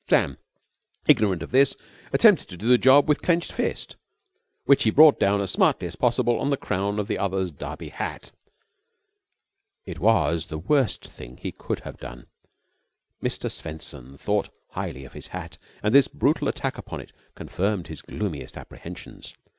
Sam, ignorant of this, attempted to do the job with clenched fist, which he brought down as smartly as possible on the crown of the other's Derby hat. It was the worst thing he could have done. Mr. Swenson thought highly of his hat and this brutal attack upon it confirmed his gloomiest apprehensions.